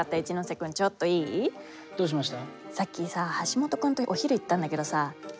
どうしました？